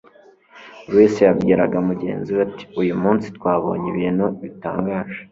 Buri wese yabwiraga mugenzi we ati : "Uyu munsi twabonye ibintu bitangaje!"